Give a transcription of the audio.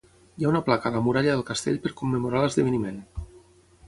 Hi ha una placa a la muralla del castell per commemorar l'esdeveniment.